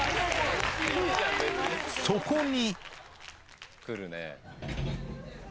そこに。